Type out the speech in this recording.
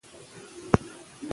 ژبه به ژوندۍ پاتې سي.